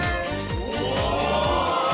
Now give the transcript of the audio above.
お！